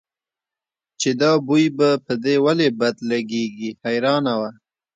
چې دا بوی به په دې ولې بد لګېږي حیرانه وه.